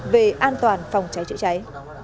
về an toàn phòng cháy chữa cháy